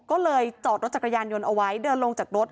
ก็เลยจอดรถจักรยานยนต์เอาไว้เดินลงจากรถ